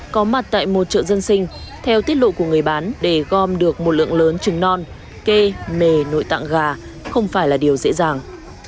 có mặt tại một chợ dân sinh theo tiết lộ của người bán để gom được một lượng lớn trứng non kê mề nội tạng gà không phải là điều dễ dàng